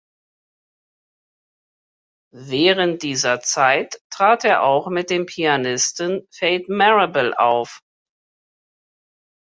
Während dieser Zeit trat er auch mit dem Pianisten Fate Marable auf.